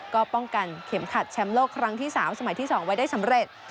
ก็ป้องกันเข็มขัดแชมป์โลกครั้งที่๓สมัยที่๒ไว้ได้สำเร็จ